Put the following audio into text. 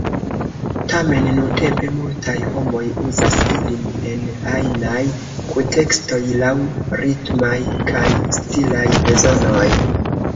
Tamen nuntempe multaj homoj uzas ilin en ajnaj kuntekstoj, laŭ ritmaj kaj stilaj bezonoj.